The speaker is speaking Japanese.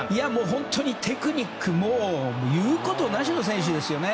本当にテクニック言うことなしの選手ですよね。